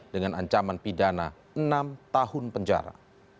dengan ancaman pidana enam tahun penjara